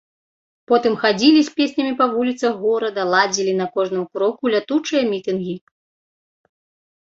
Потым хадзілі з песнямі па вуліцах горада, ладзілі на кожным кроку лятучыя мітынгі.